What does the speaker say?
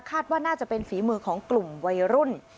ว่าน่าจะเป็นฝีมือของกลุ่มวัยรุ่น